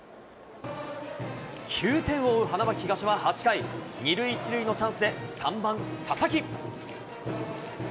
９点を追う花巻東は８回、２塁１塁のチャンスで３番佐々木。